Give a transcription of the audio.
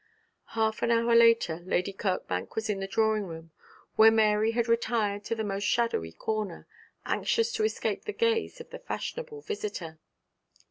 Half an hour later Lady Kirkbank was in the drawing room, where Mary had retired to the most shadowy corner, anxious to escape the gaze of the fashionable visitor.